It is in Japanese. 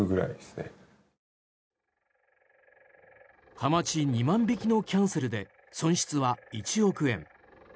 ハマチ２万匹のキャンセルで損失は１億円。